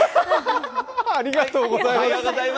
ありがとうございます。